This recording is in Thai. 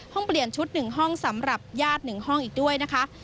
เปลี่ยนชุด๑ห้องสำหรับญาติ๑ห้องอีกด้วยนะคะ